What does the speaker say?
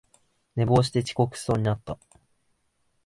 寝坊して遅刻しそうになった